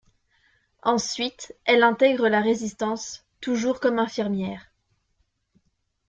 Ensuite, elle intègre la Résistance, toujours comme infirmière.